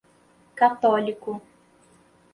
católico